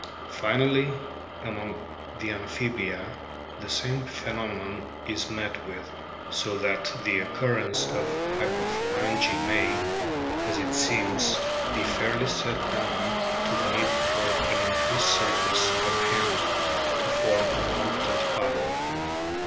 Finally, among the Amphibia the same phenomenon is met with, so that the occurrence of hyperphalangy may, as it seems, be fairly set down to the need for an increased surface of hand to form a competent paddle.